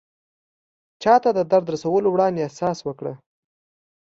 چاته د درد رسولو وړاندې احساس وکړه.